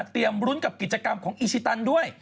เตรียมรุ้นกับกิฎกรรมของอิชิตันด้วย